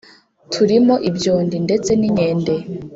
turimo ibyondi ndetse n’inkende